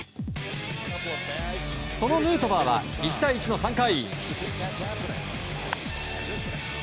そのヌートバーは１対１の３回。